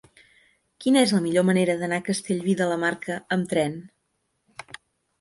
Quina és la millor manera d'anar a Castellví de la Marca amb tren?